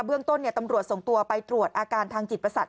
เรื่องต้นตำรวจส่งตัวไปตรวจอาการทางจิตประสาท